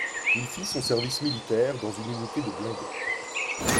Il fit son service militaire dans une unité de blindés.